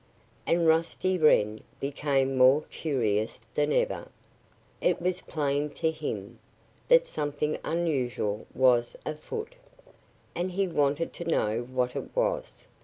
And Rusty Wren became more curious than ever. It was plain, to him, that something unusual was afoot. And he wanted to know what it was.